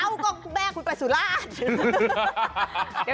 เราก็แบกคุณไปสุราช